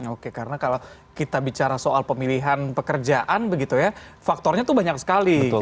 oke karena kalau kita bicara soal pemilihan pekerjaan begitu ya faktornya itu banyak sekali